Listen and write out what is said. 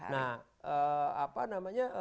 nah apa namanya